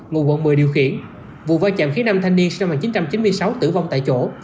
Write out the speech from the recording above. ngụ vận một mươi điều khiển vụ vai chạm khi nam thanh niên sinh năm một nghìn chín trăm chín mươi sáu tử vong tại chỗ